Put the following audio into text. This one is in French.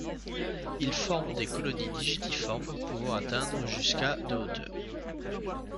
Il forme des colonies digitiformes pouvant atteindre jusqu'à de hauteur.